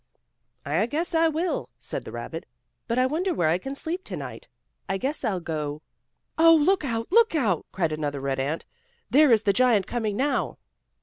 "I guess I will," said the rabbit. "But I wonder where I can sleep to night. I guess I'll go " "Oh, look out! Look out!" cried another red ant. "There is the giant coming now."